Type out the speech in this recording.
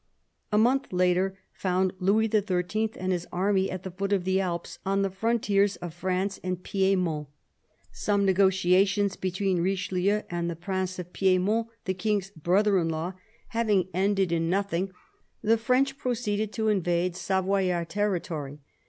A month later found Louis XIII. and his army at the foot of the Alps, on the frontiers of France and Piedmont. Some negotiations between Richelieu and the Prince of Piedmont, the King's brother in law, having ended in THE CARDINAL I97 nothing, the French proceeded to invade Savoyard territory.